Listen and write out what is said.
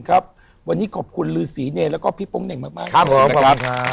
ค๊าคมครับ